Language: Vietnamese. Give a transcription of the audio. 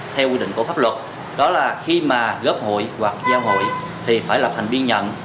theo quy định của pháp luật đó là khi mà góp hụi hoặc giang hụi thì phải lập thành viên nhận